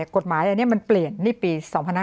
กฎหมายอันนี้มันเปลี่ยนนี่ปี๒๕๕๙